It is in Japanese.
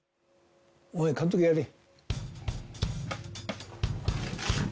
お前監督やれ。